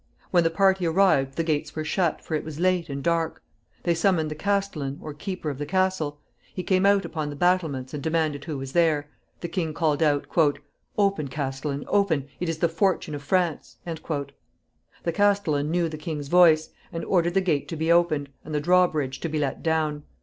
When the party arrived the gates were shut, for it was late and dark. They summoned the castellan, or keeper of the castle. He came out upon the battlements and demanded who was there. The king called out, "Open, castellan, open. It is the fortune of France." The castellan knew the king's voice, and ordered the gate to be opened, and the drawbridge to be let down.